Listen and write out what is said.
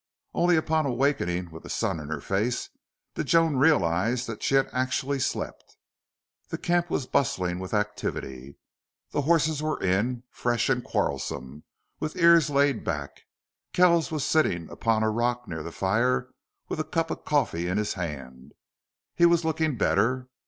Only upon awakening, with the sun in her face, did Joan realize that she had actually slept. The camp was bustling with activity. The horses were in, fresh and quarrelsome, with ears laid back. Kells was sitting upon a rock near the fire with a cup of coffee in his hand. He was looking better.